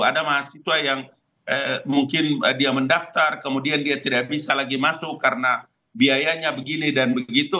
ada mahasiswa yang mungkin dia mendaftar kemudian dia tidak bisa lagi masuk karena biayanya begini dan begitu